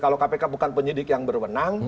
kalau kpk bukan penyidik yang berwenang